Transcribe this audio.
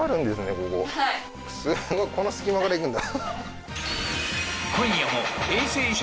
ここはいすごいこの隙間から行くんだ